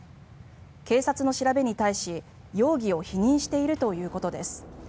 警察の調べに対し、容疑を否認しているということです。